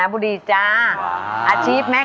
มากพอที่จะผ่านเข้ารอบได้หรือไม่